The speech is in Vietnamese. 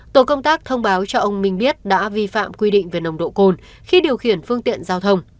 tổ công tác thông báo cho ông minh biết đã vi phạm quy định về nồng độ cồn khi điều khiển phương tiện giao thông